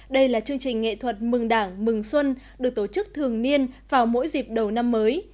đây là chương trình nghệ thuật mừng đảng mừng xuân được tổ chức thường niên vào mỗi dịp đầu năm mới